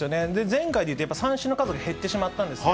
前回でいうと三振の数が減ってしまったんですね。